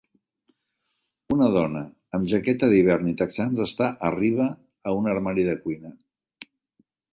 Una dona amb jaqueta d'hivern i texans està arriba a un armari de cuina.